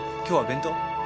今日はお弁当？